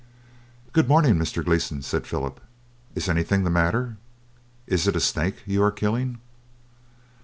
"Good morning, Mr. Gleeson," said Philip. "Is anything the matter? Is it a snake you are killing?"